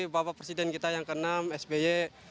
bapak presiden kita yang ke enam sby